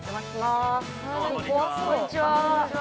こんにちは。